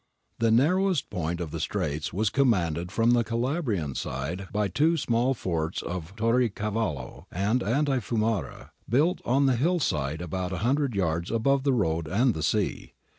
The narrowest point of the Straits was commanded from tne Calabrian side by two small forts of Torre Cavallo and Altifiumara, built on the hill side about a hundred yards above the road and the sea.